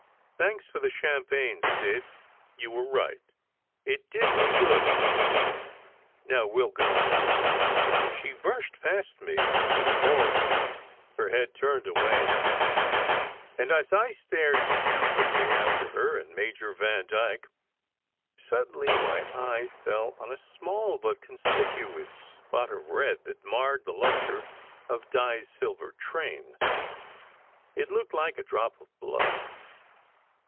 Thanks for the champagne, Sid. You were right; it did me good. Now we ll go." She brushed past me in the corridor, her head turned away; and as I stared stupidly after her and Major Van SECRET HISTORY 191 dyke, suddenly my eyes fell on a small but conspicuous spot of red that marred the lustre of Di s silver train. It looked like a drop of blood.